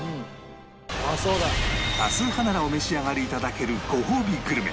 多数派ならお召し上がり頂けるごほうびグルメ